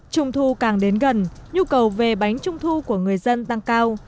trung thu càng đến gần nhu cầu về bánh trung thu của người dân tăng cao